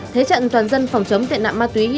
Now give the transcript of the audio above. thế trận toàn dân phòng chống tiện nạm ma túy